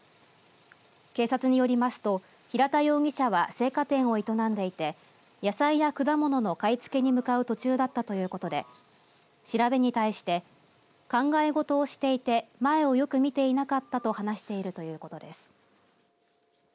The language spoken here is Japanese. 警察によりますと平田容疑者は青果店を営んでいて野菜や果物の買い付けに向かう途中だったということで調べに対して考え事をしていて前をよく見ていなかったと話しているということです。